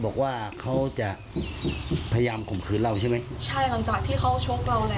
บอกว่าอย่าบอกตำรวจอะไรประมาณนี้หนูก็เลยเผลอเรียกชื่อดัง